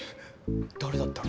誰だったの！？